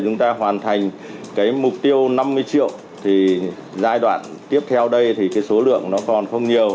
chúng ta hoàn thành cái mục tiêu năm mươi triệu thì giai đoạn tiếp theo đây thì cái số lượng nó còn không nhiều